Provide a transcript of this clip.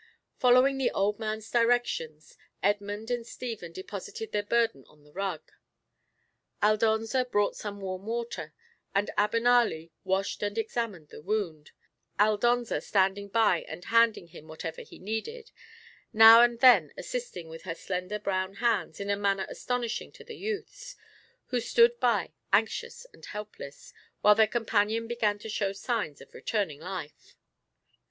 Following the old man's directions, Edmund and Stephen deposited their burden on the rug. Aldonza brought some warm water, and Abenali washed and examined the wound, Aldonza standing by and handing him whatever he needed, now and then assisting with her slender brown hands in a manner astonishing to the youths, who stood by anxious and helpless, while their companion began to show signs of returning life.